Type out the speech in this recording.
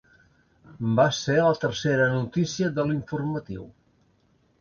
Va ser la tercera notícia de l’informatiu.